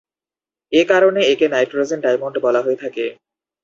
এ কারণে একে "nitrogen diamond" বলা হয়ে থাকে।